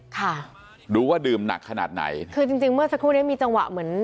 ค่ะดูว่าดื่มหนักขนาดไหนคือจริงจริงเมื่อสักครู่นี้มีจังหวะเหมือน